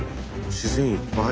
自然いっぱい。